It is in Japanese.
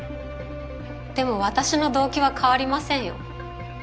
でも私の動機は変わりませんよ。